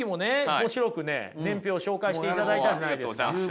面白くね年表を紹介していただいたじゃないですか。